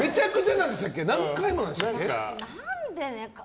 何回もでしたっけ？